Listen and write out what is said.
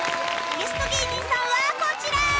ゲスト芸人さんはこちら！